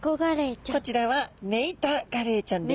こちらはメイタガレイちゃんです。